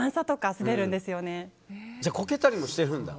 じゃあ、こけたりもしてるんだ。